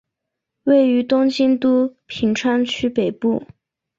位于东京都品川区北部。